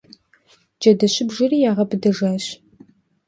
Джэдэщыбжэри ягъэбыдэжащ.